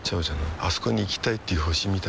あそこに行きたいっていう星みたいなもんでさ